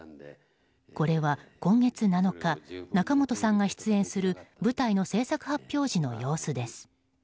これは、今月７日仲本さんが出演する舞台の制作発表時の様子です。